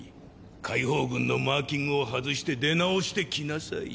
解放軍のマーキングを外して出直して来なさい。